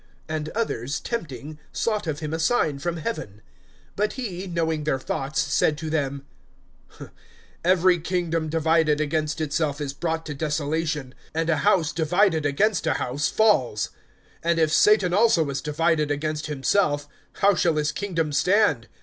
(16)And others, tempting, sought of him a sign from heaven. (17)But he, knowing their thoughts, said to them: Every kingdom divided against itself is brought to desolation, and a house divided against a house falls[11:17]. (18)And if Satan also is divided against himself, how shall his kingdom stand?